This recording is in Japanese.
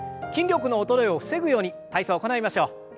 筋力の衰えを防ぐように体操行いましょう。